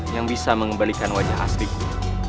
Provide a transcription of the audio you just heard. yang bisa mengembalikan wajah aslinya